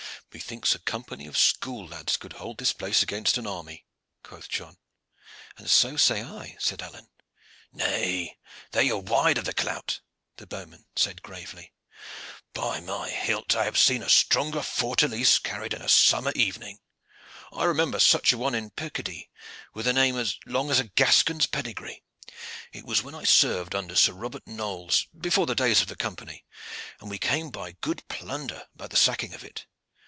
"Methinks a company of school lads could hold this place against an army," quoth John. "And so say I," said Alleyne. "Nay, there you are wide of the clout," the bowman said gravely. "By my hilt! I have seen a stronger fortalice carried in a summer evening. I remember such a one in Picardy, with a name as long as a Gascon's pedigree. It was when I served under Sir Robert Knolles, before the days of the Company; and we came by good plunder at the sacking of it.